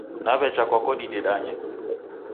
Naw'echa kwako didedanye.